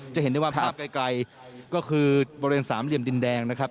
จะเห็นได้ว่าภาพไกลก็คือบริเวณสามเหลี่ยมดินแดงนะครับ